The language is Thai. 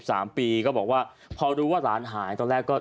ต่อมาก็บอกว่าพอรู้ว่าร้านหาย